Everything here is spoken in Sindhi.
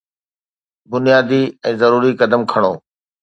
بنيادي ۽ ضروري قدم کڻو